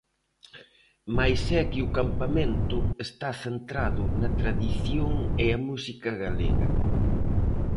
Mais é que o campamento está centrado na tradición e a música galega.